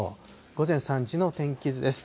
午前３時の天気図です。